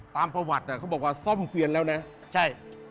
ตามประวัติเขาบอกว่าทรวมเกลียดแล้วเนี่ย